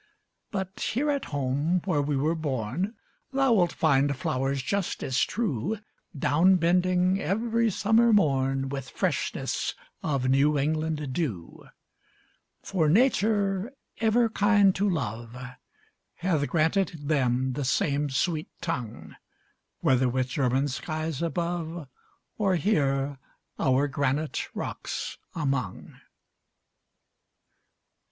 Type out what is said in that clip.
But here at home, where we were born, Thou wilt find flowers just as true, Down bending every summer morn With freshness of New England dew. For Nature, ever kind to love, Hath granted them the same sweet tongue, Whether with German skies above, Or here our granite rocks among. 1840.